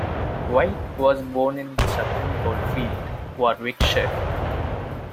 White was born in Sutton Coldfield, Warwickshire.